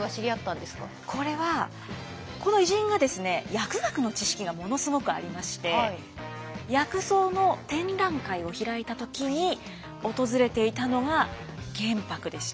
薬学の知識がものすごくありまして薬草の展覧会を開いた時に訪れていたのが玄白でした。